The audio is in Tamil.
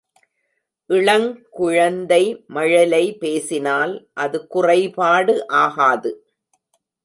இளங் குழந்தை மழலை பேசினால் அது குறைபாடு ஆகாது.